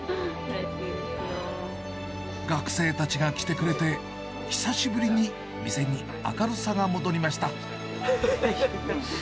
学生たちが来てくれて、久しぶりに店に明るさが戻りました。